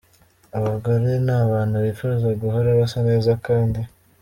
Abagore ni abantu bifuza guhora basa neza kandi